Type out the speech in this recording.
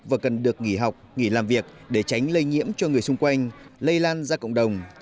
và cần được nghỉ học nghỉ làm việc để tránh lây nhiễm cho người xung quanh lây lan ra cộng đồng